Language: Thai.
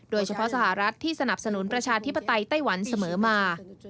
โดยเฉพาะสหรัฐที่สนับสนุนประชาธิปไตยไต้หวันเสมอมา